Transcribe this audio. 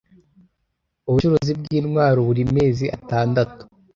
ubucuruzi bw’intwaro buri mezi atandatu